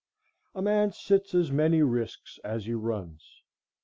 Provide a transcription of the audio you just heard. A man sits as many risks as he runs.